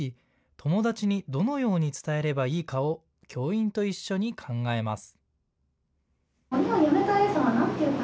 友だちにどのように伝えればいいかを教員と一緒に考えます。